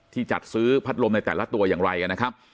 จัดซื้อพัดลมในแต่ละตัวอย่างไรกันนะครับ